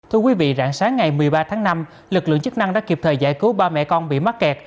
thưa quý vị rạng sáng ngày một mươi ba tháng năm lực lượng chức năng đã kịp thời giải cứu ba mẹ con bị mắc kẹt